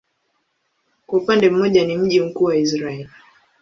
Kwa upande mmoja ni mji mkuu wa Israel.